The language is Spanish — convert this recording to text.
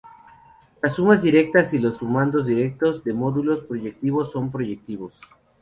Las sumas directas y los sumandos directos de módulos proyectivos son proyectivos.